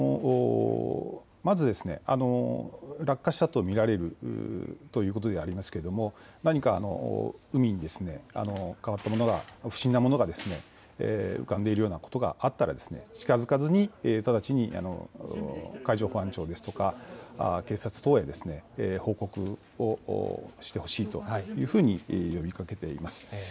まず落下ししたと見られるということでありますけれども何か海に、変わったものが、不審なものが浮かんでいるようなことがあったら近づかずに直ちに海上保安庁ですとか警察等へ報告をしてほしいというふうに呼びかけています。